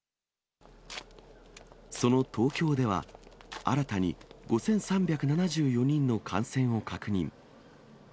その東京では新たに５３７４人の感染を確認。